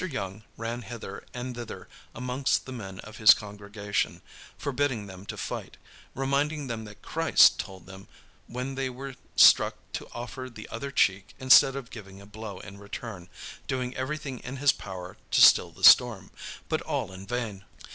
Young ran hither and thither amongst the men of his congregation, forbidding them to fight, reminding them that Christ told them when they were struck to offer the other cheek instead of giving a blow in return, doing everything in his power to still the storm, but all in vain.